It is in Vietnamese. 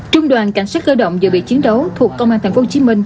trung đoàn cảnh sát cơ động dự bị chiến đấu thuộc công an tp hcm